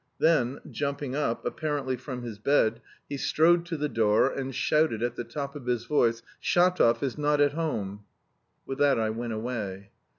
Then, jumping up, apparently from his bed, he strode to the door and shouted at the top of his voice: "Shatov is not at home!" With that I went away.